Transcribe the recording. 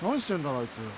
あいつ。